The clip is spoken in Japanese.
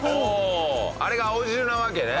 あああれが青汁なわけね。